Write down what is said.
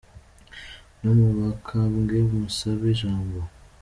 No mu bakambwe musabe ijambo